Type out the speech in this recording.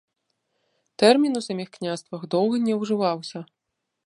Тэрмін у саміх княствах доўга не ўжываўся.